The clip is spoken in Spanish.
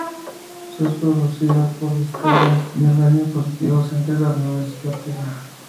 Son producidas por las descargas de rayos positivos entre las nubes y la tierra.